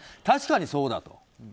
確かにそうだと。